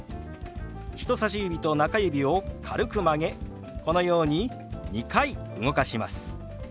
人さし指と中指を軽く曲げこのように２回動かします。